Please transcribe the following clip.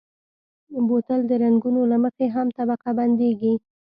بوتل د رنګونو له مخې هم طبقه بندېږي.